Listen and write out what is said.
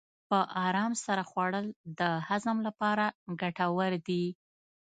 په ارام سره خوړل د هضم لپاره ګټور دي.